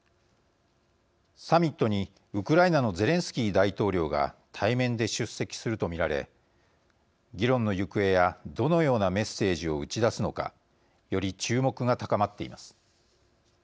サミットにウクライナのゼレンスキー大統領が対面で出席すると見られ議論の行方やどのようなメッセージを打ち出すのかより注目が高まっています。